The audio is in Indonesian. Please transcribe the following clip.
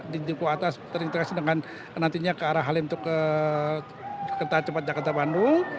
di duku atas terintegrasi dengan nantinya ke arah halim untuk ke kereta cepat jakarta bandung